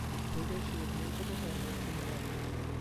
Later she would move with her family to New York.